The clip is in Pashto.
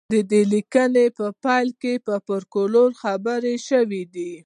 د دې لیکنې په پیل کې په فولکلور خبرې شوې دي